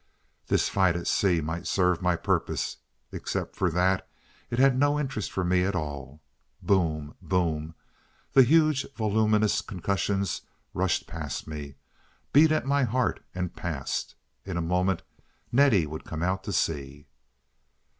This fight at sea might serve my purpose—except for that, it had no interest for me at all. Boom! boom! The huge voluminous concussions rushed past me, beat at my heart and passed. In a moment Nettie would come out to see.